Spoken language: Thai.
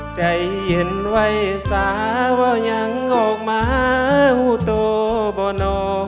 ใจเย็นไว้สาว่ายังออกมาอุตโตบ่นอ